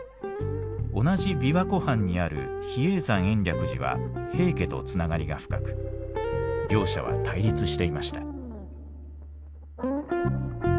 同じ琵琶湖畔にある比叡山延暦寺は平家と繋がりが深く両者は対立していました。